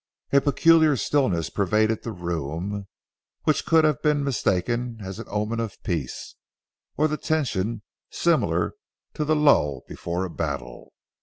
A peculiar stillness pervaded the room, which could have been mistaken as an omen of peace, or the tension similar to the lull before a battle.